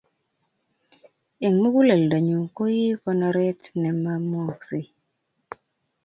Eng' muguleldanyu ko ii konoret ne mamwooksey.